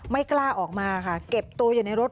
ไม่กล้าออกมาค่ะเก็บตัวอยู่ในรถ